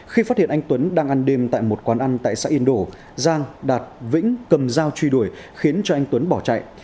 khi phát hiện anh tuấn đang ăn đêm tại một quán ăn tại xã yên đổ giang đạt vĩnh cầm dao truy đuổi khiến cho anh tuấn bỏ chạy